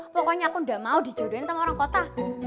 pokoknya aku gak mau dijodohin sama orang kota